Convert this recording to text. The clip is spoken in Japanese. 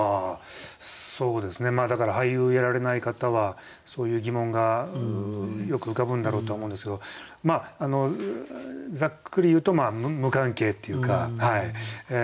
そうですねだから俳優やられない方はそういう疑問がよく浮かぶんだろうとは思うんですけどざっくり言うと無関係っていうか。